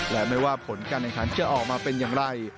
และไม่ว่าผลการแข่งขันจะออกมาเป็นอย่างไร